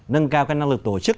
nâng cao các năng lực tổ chức